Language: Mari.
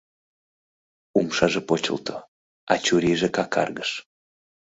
Умшаже почылто, а чурийже какаргыш.